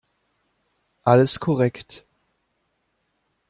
Alles korrekt.